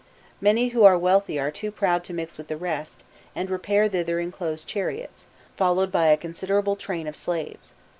Many who are wealthy are too proud to mix with the rest, and repair thither in closed chariots, followed by a considerable train of slaves.